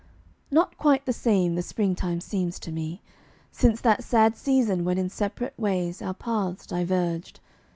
Not quite the same the spring time seems to me, Since that sad season when in separate ways Our paths diverged.